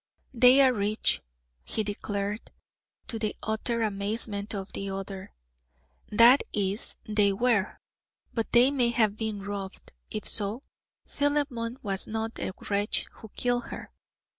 "They are rich," he declared, to the utter amazement of the other. "That is, they were; but they may have been robbed; if so, Philemon was not the wretch who killed her.